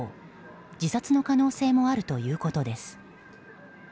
自殺の可能性もあるということです。